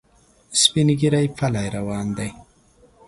سپین ږیری پلی روان دی.